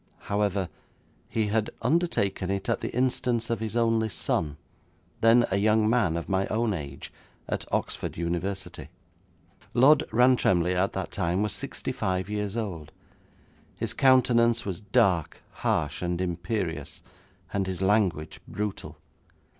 However, he had undertaken it at the instance of his only son, then a young man of my own age, at Oxford University. 'Lord Rantremly at that time was sixty five years old. His countenance was dark, harsh, and imperious, and his language brutal.